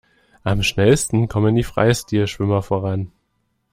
Am schnellsten kommen die Freistil-Schwimmer voran.